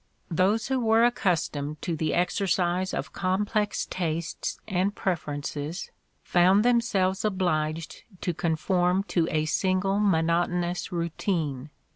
Those who were accustomed to the exercise of complex tastes and preferences found themselves obliged to conform to a single monotonous routine..